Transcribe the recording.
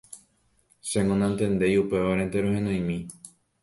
Chéngo nantendéi upévarente rohenoimi.